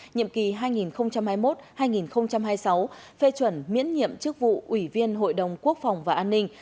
nhiệm kỳ hai nghìn hai mươi một hai nghìn hai mươi sáu phê chuẩn miễn nhiệm chức vụ ủy viên hội đồng quốc phòng và an ninh